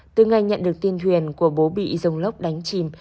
từ ngày nhận được tin thuyền của bố bị dòng lốc đánh chìm